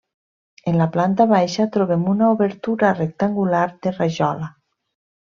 En la planta baixa, trobem una obertura rectangular de rajola.